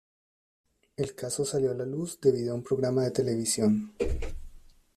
El caso salió a la luz debido a un programa de televisión.